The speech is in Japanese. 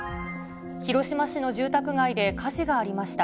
広島市の住宅街で火事がありました。